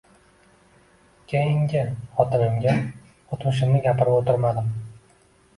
Keyingi xotinimga o`tmishimni gapirib o`tirmadim